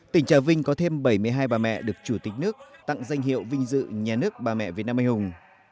tỉnh trà vinh có thêm bảy mươi hai bà mẹ được chủ tịch nước tặng danh hiệu vinh dự nhà nước bà mẹ việt nam anh hùng